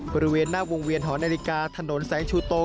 บริเวณหน้าวงเวียนหอนาฬิกาถนนสายชูโต